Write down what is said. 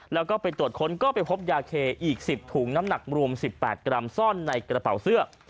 แล้วก็ไปตรวจค้นก็ไปพบยาเคอีก๑๐ถุงน้ำหนักรวม๑๘กรัมซ่อนในกระเป๋าเสื้อ